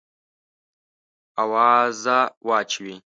آوازه واچوې.